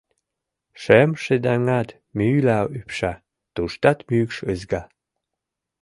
Шемшыдаҥат мӱйла ӱпша, туштат мӱкш ызга!